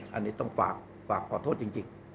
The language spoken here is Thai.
อันนี้ต้องฝากขอโทษจริง